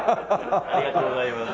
ありがとうございます。